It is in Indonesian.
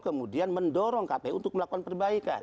kemudian mendorong kpu untuk melakukan perbaikan